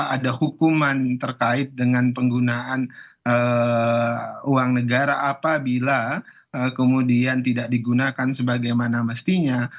ada hukuman terkait dengan penggunaan uang negara apabila kemudian tidak digunakan sebagaimana mestinya